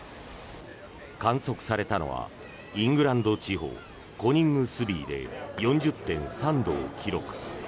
観測されたのはイングランド地方コニングスビーで４０．３度を記録。